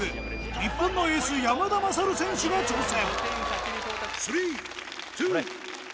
日本のエース山田優選手が挑戦